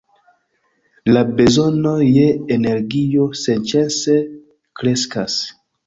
La bezonoj je energio senĉese kreskas.